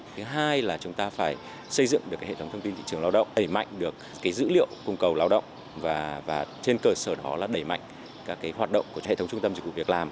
thứ hai là chúng ta phải xây dựng được hệ thống thông tin thị trường lao động đẩy mạnh được dữ liệu cung cầu lao động và trên cơ sở đó là đẩy mạnh các hoạt động của hệ thống trung tâm dịch vụ việc làm